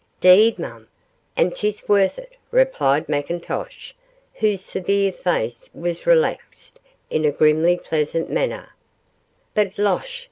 ''Deed, mum, and 'tis worth it,' replied McIntosh, whose severe face was relaxed in a grimly pleasant manner; 'but losh!